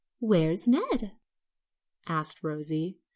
"Where's Ned?" asked Rosie.